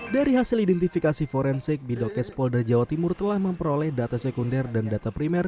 dari hasil identifikasi forensik bidokes polda jawa timur telah memperoleh data sekunder dan data primer